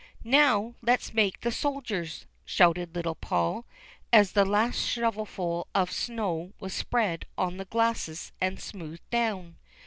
" Now let's make the soldiers," shouted little Paul, as the last shovelful of snow was spread on the glacis and smoothed down.